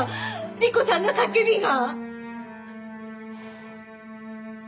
莉子さんの叫びが！